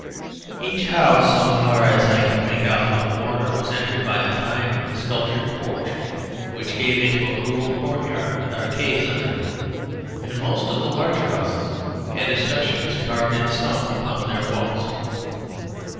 Each house, so far as I could make out from the water, was entered by a fine sculptured porch which gave into a cool courtyard with arcades under it, and most of the larger houses had escutcheons carved in stone upon their walls.